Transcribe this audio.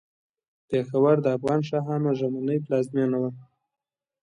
پېښور د افغان شاهانو ژمنۍ پلازمېنه وه.